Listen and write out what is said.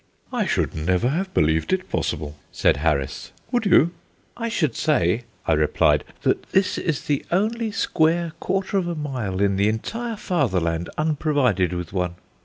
"I should never have believed it possible," said Harris: "would you?" "I should say," I replied, "that this is the only square quarter of a mile in the entire Fatherland unprovided with one."